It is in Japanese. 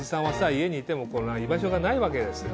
家にいても居場所がないわけですよ。